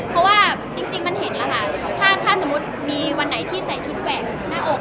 เพราะว่าจริงมันเห็นแล้วค่ะถ้าสมมุติมีวันไหนที่ใส่ชุดแหวกหน้าอก